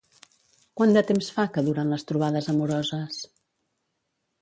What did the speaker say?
Quant de temps fa que duren les trobades amoroses?